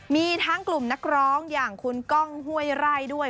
มีทั้งกลุ่มนักร้องอย่างคุณก้องห้วยไร่ด้วย